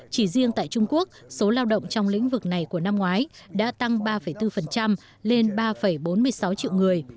chỉ riêng tại trung quốc số lao động trong lĩnh vực này của năm ngoái đã tăng ba bốn lên ba bốn mươi sáu triệu người